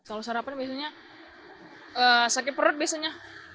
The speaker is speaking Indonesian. kalau sarapan biasanya sakit perut biasanya